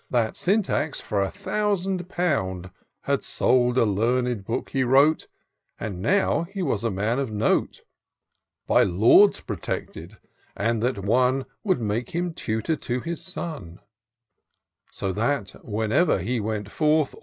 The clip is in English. That Syntax, for a thousand pound. Had sold a learned book he wrote ; That now he was a man of note. By lords protected ! and that one Would make him tutor to his son: So that, whenever he went forth.